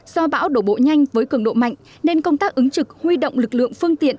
do bão đổ bộ nhanh với cường độ mạnh nên công tác ứng trực huy động lực lượng phương tiện